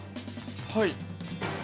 はい。